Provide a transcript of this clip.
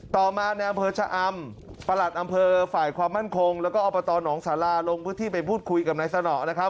ต่อมาในอำเภอชะอำประหลัดอำเภอฝ่ายความมั่นคงแล้วก็อบตหนองสาราลงพื้นที่ไปพูดคุยกับนายสนอนะครับ